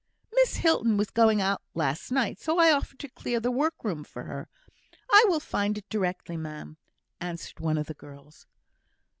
"Miss Hilton was going out last night, so I offered to clear the workroom for her. I will find it directly, ma'am," answered one of the girls.